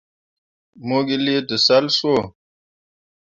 Mo gi lii tǝsal soo.